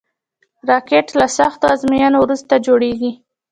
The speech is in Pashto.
راکټ له سختو ازموینو وروسته جوړېږي